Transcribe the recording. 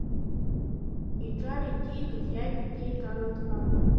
Иҿара иҭигаз иажәра иҭеигалеит ҳәа.